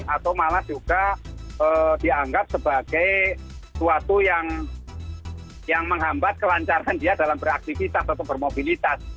atau malah juga dianggap sebagai suatu yang menghambat kelancaran dia dalam beraktivitas atau bermobilitas